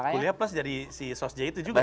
kuliah plus jadi si sos j itu juga ya